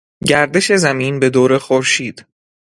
گردش زمین بدور خورشید